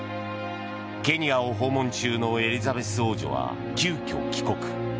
ケニアを訪問中のエリザベス王女は急きょ帰国。